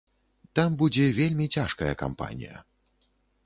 Там будзе вельмі цяжкая кампанія.